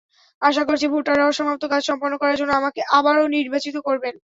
আশা করছি, ভোটাররা অসমাপ্ত কাজ সম্পন্ন করার জন্য আমাকে আবারও নির্বাচিত করবেন।